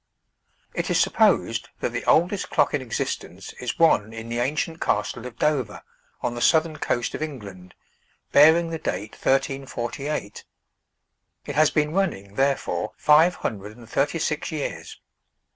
It is supposed that the oldest clock in existence is one in the ancient castle of Dover, on the southern coast of England, bearing the date, 1348. It has been running, therefore, five hundred and thirty six years.